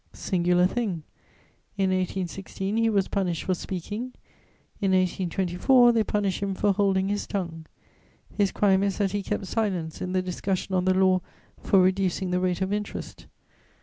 Singular thing! In 1816, he was punished for speaking; in 1824, they punish him for holding his tongue: his crime is that he kept silence in the discussion on the law for reducing the rate of interest.